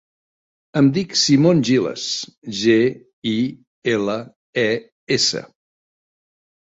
Em dic Simon Giles: ge, i, ela, e, essa.